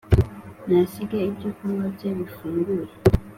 ntasige ibyo kunywa bye bifunguye,